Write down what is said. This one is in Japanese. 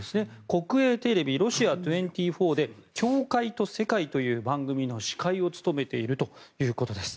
国営テレビ、ロシア２４で「教会と世界」という番組の司会を務めているということです。